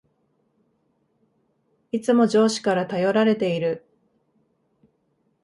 いつも上司から頼られている